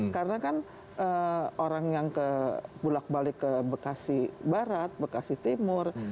karena kan orang yang pulak balik ke bekasi barat bekasi timur